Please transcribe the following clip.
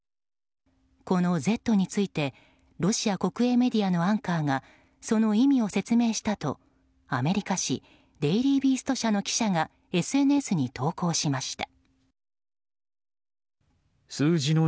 この「Ｚ」についてロシア国営メディアのアンカーがその意味を説明したとアメリカ紙デイリー・ビースト社の記者がＳＮＳに投稿しました。